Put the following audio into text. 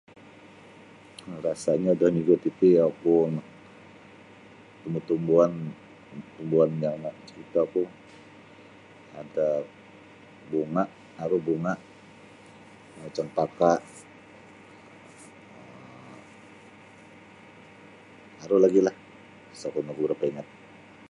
Biasanya da juga titi oku tumbuh-tumbuhan, tumbuhan yang maksud oku ada bunga aru bunga um macam taka um aru lagi lah sa kuno ku berapa ingat.